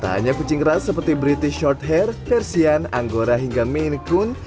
tak hanya kucing ras seperti british shorthair persian angora hingga maine coon